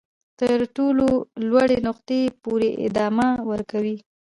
تر تر ټولو لوړې نقطې پورې ادامه ورکوي.